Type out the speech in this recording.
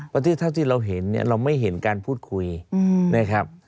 เพราะถ้าที่เราเห็นเราไม่เห็นการพูดคุยนะครับ